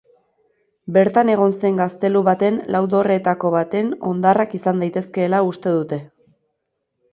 Bertan egon zen gaztelu baten lau dorreetako baten hondarrak izan daitezkeela uste dute.